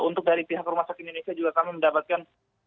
untuk dari pihak rumah sakit indonesia juga kami mendapatkan